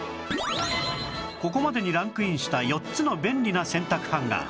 ここまでにランクインした４つの便利な洗濯ハンガー